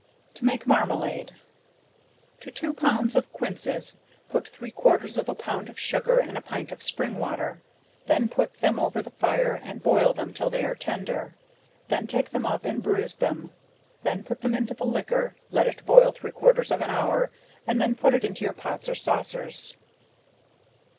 To make Marmalade. To two pounds of quinces, put three quarters of a pound of sugar and a pint of springwater; then put them over the fire, and boil them till they are tender; then take them up and bruize them; then put them into the liquor, let it boil three quarters of an hour, and then put it into your pots or saucers.